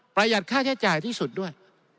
หัดค่าใช้จ่ายที่สุดด้วย